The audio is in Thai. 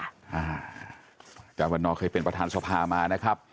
อาจารย์วันนอเคยเป็นประธานสภามานะครับ